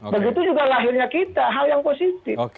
begitu juga lahirnya kita hal yang positif